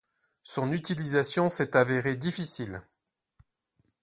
Son utilisation s'est avérée difficile.